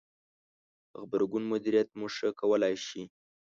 -د غبرګون مدیریت مو ښه کولای ش ئ